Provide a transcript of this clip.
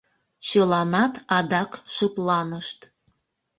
Чыланат адак шыпланышт.